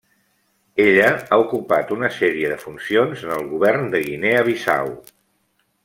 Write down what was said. Ella ha ocupat una sèrie de funcions en el govern de Guinea Bissau.